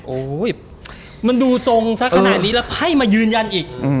โอ้โหมันดูทรงสักขนาดนี้แล้วไพ่มายืนยันอีก